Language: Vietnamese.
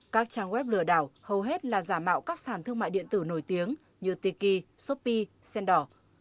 các trang web lừa đảo hầu hết là giả mạo các sản thương mại điện tử nổi tiếng như tiki shopee sendor